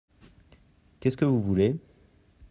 Qu’est-ce que vous voulez ?…